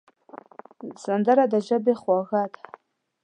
سندره د ژبې خواږه ده